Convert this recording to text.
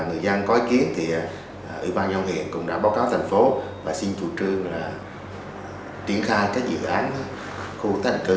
ủy ban nhân huyện cũng đã báo cáo thành phố và xin chủ trương tiến khai các dự án khu tái định cư